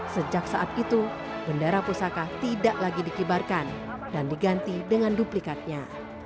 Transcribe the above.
sejak saat itu bendera pusaka tidak lagi dikibarkan dan diganti dengan duplikatnya